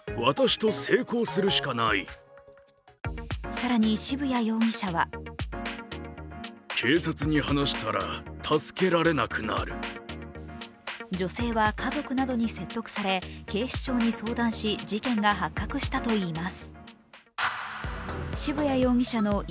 更に渋谷容疑者は女性は家族などに説得され警視庁に相談し事件が発覚したといいます。